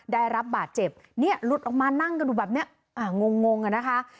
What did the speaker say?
ได้รับบาดเจ็บเนี่ยหลุดออกมานั่งกันอยู่แบบนี้งงอ่ะนะคะ